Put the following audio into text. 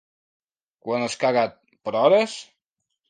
Quan has cagat, plores?